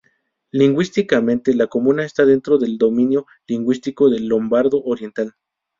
Lingüísticamente la comuna está dentro del dominio lingüístico del lombardo oriental.